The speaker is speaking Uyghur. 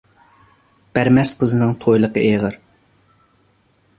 بەرمەس قىزنىڭ تويلۇقى ئېغىر.